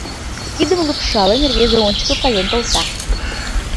Кидым лупшалын, рвезе ончыко каен колта.